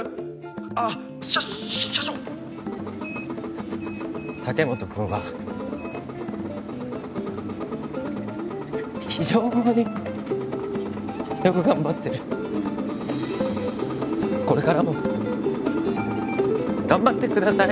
あっ☎しゃ社長竹本君は非常によく頑張ってるこれからも頑張ってください